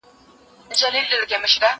زه اوس د سبا لپاره د ليکلو تمرين کوم!